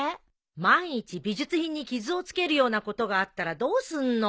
万一美術品に傷を付けるようなことがあったらどうすんの？